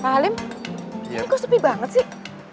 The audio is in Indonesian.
pak halim ini kok sepi banget sih